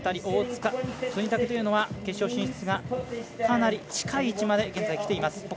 大塚、國武というのは決勝進出がかなり近い位置まで現在きています。